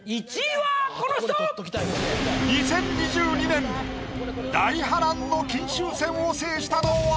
２０２２年大波乱の金秋戦を制したのは？